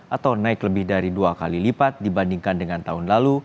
atau naik lebih dari dua kali lipat dibandingkan dengan tahun lalu